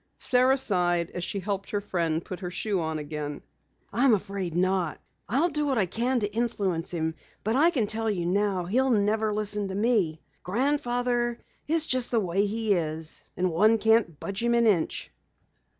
Sara sighed as she helped her friend put on her shoe again. "I'm afraid not. I'll do what I can to influence him, but I can tell you now he'll never listen to me. Grandfather is just the way he is, and one can't budge him an inch."